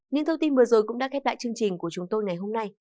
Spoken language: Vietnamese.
những thông tin vừa rồi cũng đã khép lại chương trình của chúng tôi ngày hôm nay